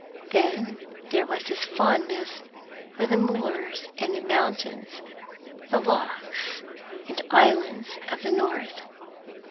Then there was his fondness for the moors and mountains, the lochs and islands, of the north.